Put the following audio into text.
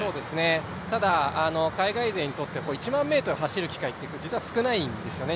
ただ、海外勢にとって１００００ｍを走る機会って少ないんですよね。